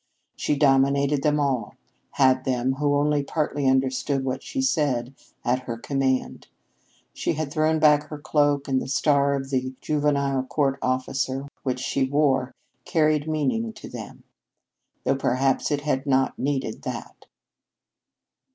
She dominated them all; had them, who only partly understood what she said, at her command. She had thrown back her cloak, and the star of the Juvenile Court officer which she wore carried meaning to them. Though perhaps it had not needed that.